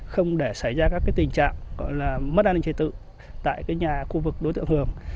không để xảy ra các tình trạng mất an ninh trả tự tại nhà khu vực đối tượng hường